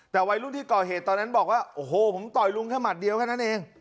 แต่วัยรุ่นที่ก่อเหตุตอนนั้นบอกว่าโอ้โหผมต่อยลุงแค่หมัดเดียวแค่นั้นเอง